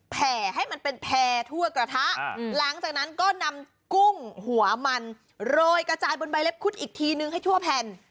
แผ่ให้มันเป็นแพร่ทั่วกระทะหลังจากนั้นก็นำกุ้งหัวมันโรยกระจายบนใบเล็บคุดอีกทีนึงให้ทั่วแผ่น